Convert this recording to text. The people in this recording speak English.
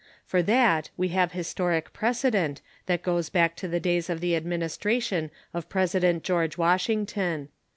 For that we have historic precedent that goes back to the days of the administration of President George Washington.